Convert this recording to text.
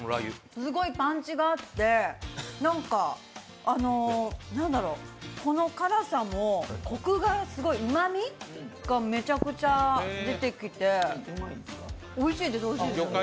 すごいパンチがあってこの辛さもコクがすごいうまみがめちゃくちゃ出てきておいしいです。